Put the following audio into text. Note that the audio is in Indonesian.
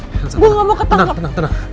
tenang tenang tenang